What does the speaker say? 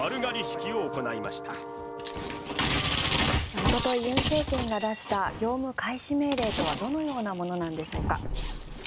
おととい尹政権が出した業務開始命令とはどのようなものなんでしょうか。